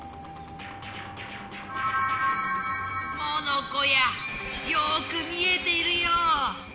モノコやよく見えているよ。